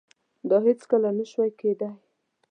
دا هیڅکله نشوای کېدای.